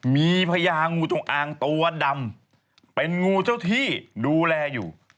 มีพญางูจงอางตัวดำเป็นงูเจ้าที่ดูแลอยู่